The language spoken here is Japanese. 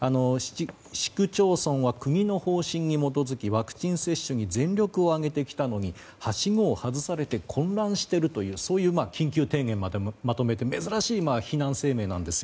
市区町村は国の方針に基づきワクチン接種に全力を挙げてきたのにはしごを外されて混乱しているという緊急提言をまとめて珍しい非難声明なんです。